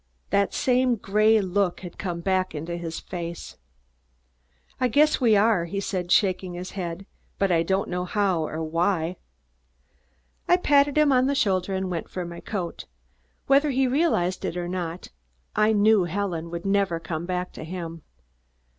That same gray look had come back into his face. "I guess we are," he said, shaking his head, "but I don't know how or why." I patted him on the shoulder and went for my coat. Whether he realized it or not, I knew Helen would never come back to him.